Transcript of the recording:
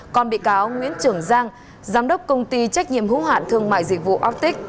còn bị cáo nguyễn trường giang giám đốc công ty trách nhiệm hữu hạn thương mại dịch vụ oftic